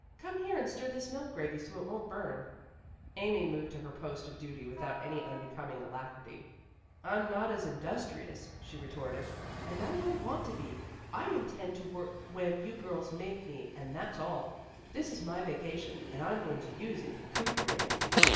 Come here and stir this milk gravy so it won't burn." Amy moved to her post of duty without any unbecoming alacrity. "I'm not industrious," she retorted. "And I don't want to be. I intend to work when you girls make me and that's all. This is my vacation and I'm going to use it recuperating."